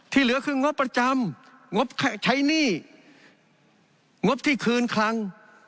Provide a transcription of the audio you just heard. เหลือคืองบประจำงบใช้หนี้งบที่คืนคลัง